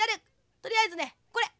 とりあえずねこれ！